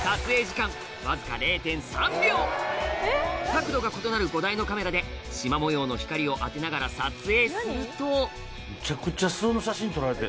角度が異なる５台のカメラでしま模様の光を当てながら撮影するとむちゃくちゃ素の写真撮られて。